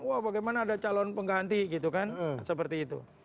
wah bagaimana ada calon pengganti gitu kan seperti itu